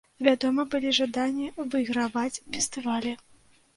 Вядома, былі жаданні выйграваць фестывалі.